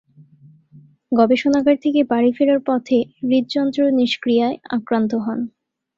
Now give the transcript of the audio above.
গবেষণাগার থেকে বাড়ি ফেরার পথে হৃদযন্ত্র নিষ্ক্রিয়ায় আক্রান্ত হন।